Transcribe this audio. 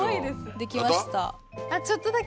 できました。